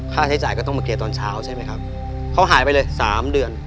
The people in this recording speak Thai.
ค่าใช้จ่ายก็ต้องมาเคลียร์ตอนเช้าใช่ไหมครับเขาหายไปเลยสามเดือน